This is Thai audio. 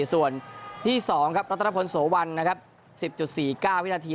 ส่วนที่๒ครับรัตนพลโสวันนะครับ๑๐๔๙วินาที